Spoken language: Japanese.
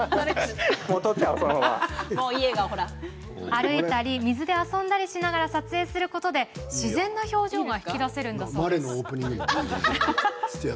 歩いたり水で遊んだりしながら撮影することで自然な表情が引き出せるんだそうです。